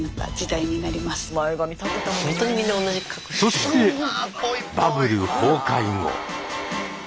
そしてバブル崩壊後。